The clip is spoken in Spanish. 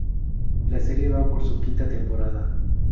La serie va por su quinta temporada.